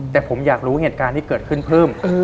แต่ผมอยากรู้เหตุการณ์ที่เกิดขึ้นเพิ่ม